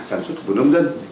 sản xuất của nông dân